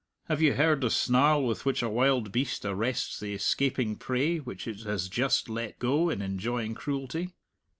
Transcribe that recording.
Have you heard the snarl with which a wild beast arrests the escaping prey which it has just let go in enjoying cruelty?